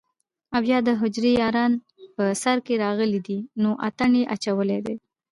او يا دحجرې ياران په سر کښې راغلي دي نو اتڼ يې اچولے دے